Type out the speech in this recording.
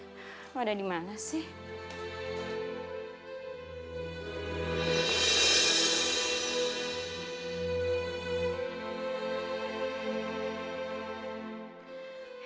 kamu ada dimana sih